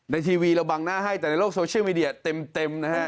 ทีวีเราบังหน้าให้แต่ในโลกโซเชียลมีเดียเต็มนะฮะ